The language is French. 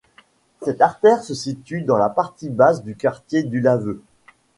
Cette artère se situe dans la partie basse du quartier du Laveu.